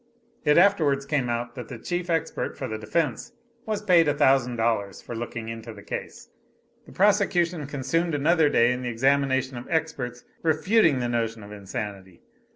[It afterwards came out that the chief expert for the defense, was paid a thousand dollars for looking into the case.] The prosecution consumed another day in the examination of experts refuting the notion of insanity.